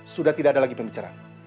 sudah tidak ada lagi pembicaraan